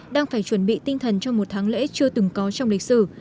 đang phải chuẩn bị tinh thần cho một tháng lễ chưa từng có trong lịch sử